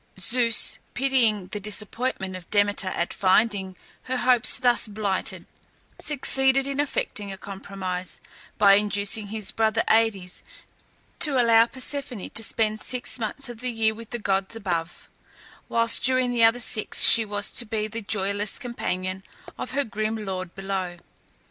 Zeus, pitying the disappointment of Demeter at finding her hopes thus blighted, succeeded in effecting a compromise by inducing his brother Aïdes to allow Persephone to spend six months of the year with the gods above, whilst during the other six she was to be the joyless companion of her grim lord below.